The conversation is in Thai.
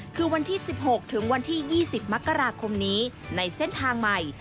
คือวันที่๑๖ถึงวันที่๒๐มกราคมนี้ในเส้นทางใหม่